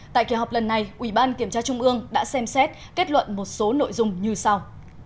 tại kỳ họp lần này ủy ban kiểm tra trung ương đã xem xét kết luận một số nội dung như sau